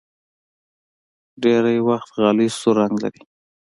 ډېری وخت غالۍ سور رنګ لري.